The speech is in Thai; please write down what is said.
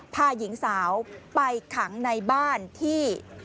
พาหญิงสาวไปขังในบ้านที่